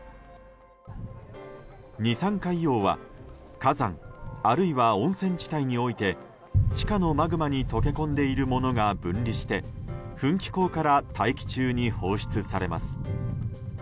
二酸化硫黄は火山、あるいは温泉地帯において地下のマグマに溶け込んでいるものが分離して噴気孔から大気中に放出されます。